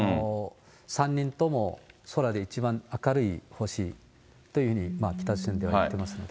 ３人とも空で一番明るい星というふうに北朝鮮ではいってますんで。